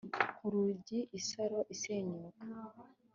nkurunigi isaro isenyuka